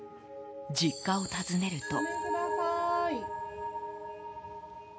実家を訪ねると。